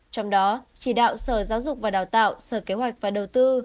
trong đó chỉ đạo sở giáo dục và đào tạo sở kế hoạch và đầu tư